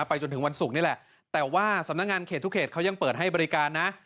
จนถึงวันศุกร์นี่แหละแต่ว่าสำนักงานเขตทุกเขตเขายังเปิดให้บริการนะ